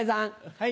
はい。